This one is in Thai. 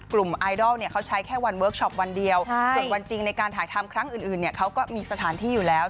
ไอดอลเขาใช้แค่วันเวิร์คชอปวันเดียวส่วนวันจริงในการถ่ายทำครั้งอื่นเขาก็มีสถานที่อยู่แล้ว